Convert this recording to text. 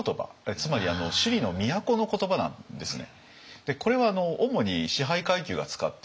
つまり首里の都の言葉なんですね。